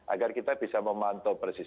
agar kita bisa memantau persis